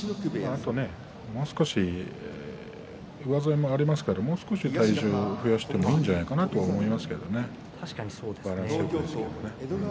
あとね上背もありますから、もう少し体重を増やしてもいいんではないかと思いますけどね。